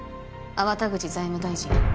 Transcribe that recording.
粟田口財務大臣。